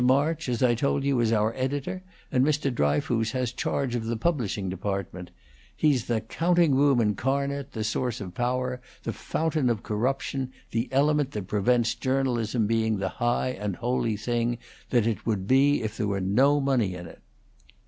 March, as I told you, is our editor, and Mr. Dryfoos has charge of the publishing department he's the counting room incarnate, the source of power, the fountain of corruption, the element that prevents journalism being the high and holy thing that it would be if there were no money in it."